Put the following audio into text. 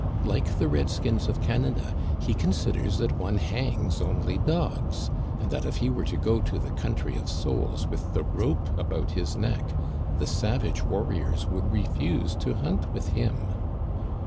Like the red skins of Canada, he considers that one hangs only dogs, and that if he were to go to the country of souls with the rope about his neck the savage warriors would re fuse to hunt with him."